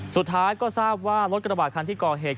สุดท้ายก็ทราบว่ารถกระบาดคันที่ก่อเหตุ